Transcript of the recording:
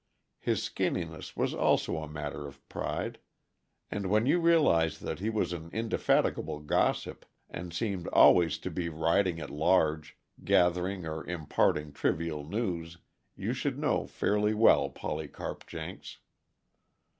His skinniness was also a matter of pride. And when you realize that he was an indefatigable gossip, and seemed always to be riding at large, gathering or imparting trivial news, you should know fairly well Polycarp Jenks.